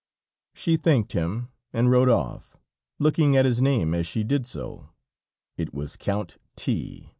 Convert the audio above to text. She thanked him and rode off, looking at his name as she did so; it was Count T